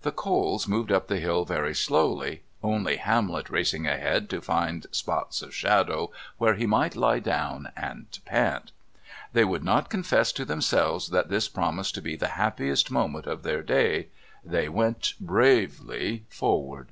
The Coles moved up the hill very slowly, only Hamlet racing ahead to find spots of shadow where he might lie down and pant. They would not confess to themselves that this promised to be the happiest moment of their day. They went bravely forward.